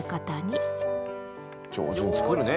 上手に作るね。